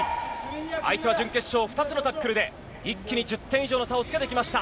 相手は準決勝２つのタックルで一気に１０点以上の差をつけてきました。